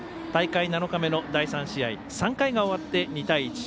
大会７日目の第３試合３回が終わって２対１。